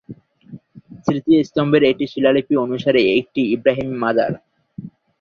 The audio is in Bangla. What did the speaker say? স্মৃতিস্তম্ভের একটি শিলালিপি অনুসারে এটি ইব্রাহিমের মাজার।